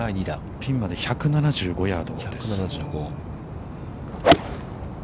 ◆ピンまで１７５ヤード。